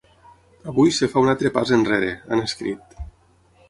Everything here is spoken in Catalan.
“Avui es fa un altre pas enrere”, han escrit.